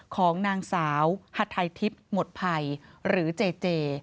ของนางสาวฮัทัยทิพย์หมดภัยหรือเจเจ